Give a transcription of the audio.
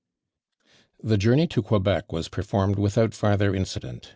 The journey to Quebec was performed without farther incident.